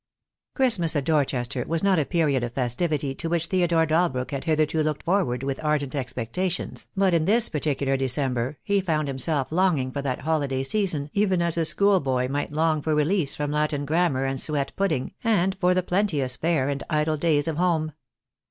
Christmas at Dorchester was not a period of festivity to which Theodore Dalbrook had hitherto looked forward with ardent expectations, but in this particular December he found himself longing for that holiday season even as a schoolboy might long for release from Latin Grammar and suet pudding, and for the plenteous fare and idle days of home.